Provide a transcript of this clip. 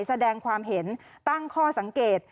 แสดงความเห็นตั้งข้อสังเกต